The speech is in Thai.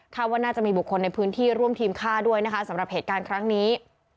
ว่าน่าจะมีบุคคลในพื้นที่ร่วมทีมฆ่าด้วยนะคะสำหรับเหตุการณ์ครั้งนี้